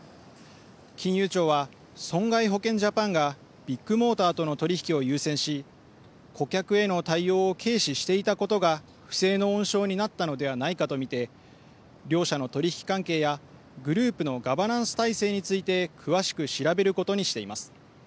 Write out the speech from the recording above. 金融庁は損害保険ジャパンがビッグモーターとの取り引きを優先し顧客への対応を軽視していたことが不正の温床になったのではないかと見て両社の取り引き関係やグループのガバナンス体制について詳しく調べることにしています。